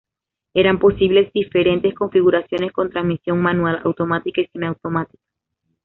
Eran posibles diferentes configuraciones, con transmisión manual, automática y semiautomática.